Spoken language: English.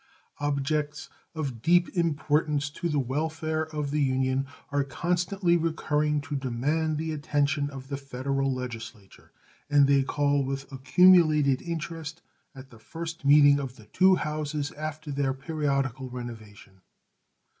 Objects of deep importance to the welfare of the Union are constantly recurring to demand the attention of the Federal Legislature, and they call with accumulated interest at the first meeting of the two Houses after their periodical renovation.